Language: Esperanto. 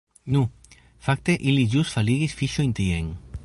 Nu, fakte ili ĵus faligis fiŝojn tien